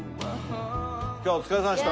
今日はお疲れさまでした。